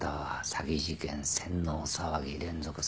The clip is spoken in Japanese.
詐欺事件洗脳騒ぎ連続殺人。